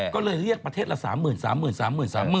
ก็เลยเรียกประเทศละสามหมื่นสามหมื่นสามหมื่นสามหมื่น